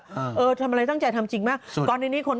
ก่อนหน้านี้ที่ตีปริงปองอ่ะไปแข่งซีเกมอ่ะ